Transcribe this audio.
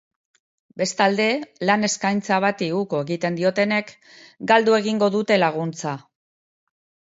Bestalde, lan eskaintza bati uko egiten diotenek galdu egingo dute laguntza.